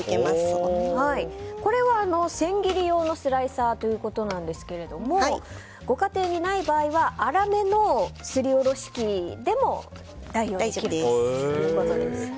これは、千切り用のスライサーということですがご家庭にない場合は粗めのすりおろし器でも代用できるということです。